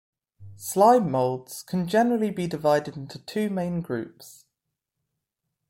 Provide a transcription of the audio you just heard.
Slime molds can generally be divided into two main groups.